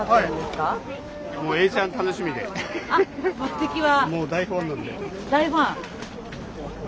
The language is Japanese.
あっ目的は。